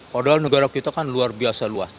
padahal negara kita kan luar biasa luas